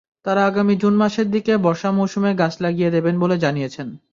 তাঁরা আগামী জুন মাসের দিকে বর্ষা মৌসুমে গাছ লাগিয়ে দেবেন বলে জানিয়েছেন।